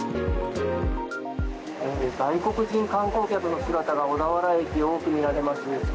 外国人観光客の姿が小田原駅、多く見られます。